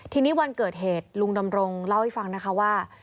ทีนี้วันเกิดเหตุลุงดำรงเล่าให้ฟังนะคะว่า